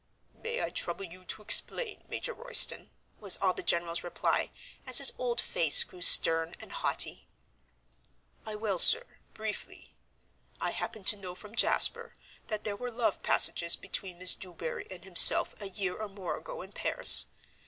"May I trouble you to explain, Major Royston" was all the general's reply, as his old face grew stern and haughty. "I will, sir, briefly. I happen to know from Jasper that there were love passages between Miss Dubarry and himself a year or more ago in Paris.